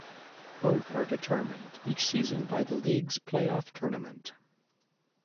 Both are determined each season by the league's playoff tournament.